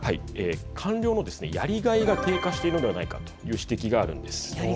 官僚もやりがいが低下してるのではないかという指摘があるんです。